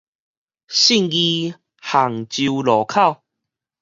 信義杭州路口